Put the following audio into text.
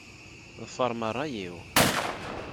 Ḍefṛem ṛṛay-iw.